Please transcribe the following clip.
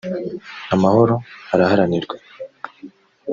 amahoro araharanirwa.